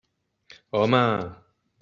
Home!